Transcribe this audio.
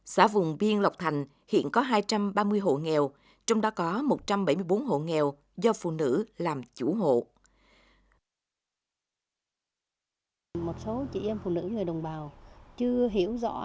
xã vùng biên lộc thành hiện có hai trăm ba mươi hộ nghèo trong đó có một trăm bảy mươi bốn hộ nghèo do phụ nữ làm chủ hộ